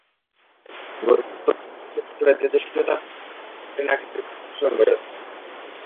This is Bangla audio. গতকাল মঙ্গলবার বন্দর চত্বরে তেজস্ক্রিয়তার দূষণযুক্ত কনটেইনারটির পাশে অনুশীলন করেন তাঁরা।